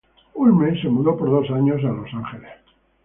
Hulme se mudó por dos años a Los Ángeles.